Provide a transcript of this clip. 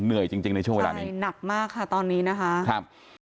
เหนื่อยจริงจริงในช่วงเวลานี้หนักมากค่ะตอนนี้นะคะครับ